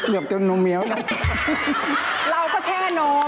จะเกือบจนนมเมียวนะ